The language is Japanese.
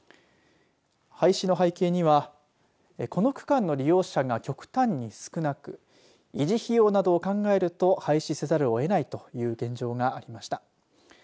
廃止の背景にはこの区間の利用者が極端に少なく維持費用などを考えると廃止せざるをえないという現状がありました。